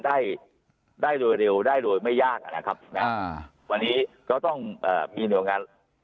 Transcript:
ได้ได้โดยเร็วได้โดยไม่ยากอ่ะนะครับนะวันนี้ก็ต้องเอ่อมีหน่วยงาน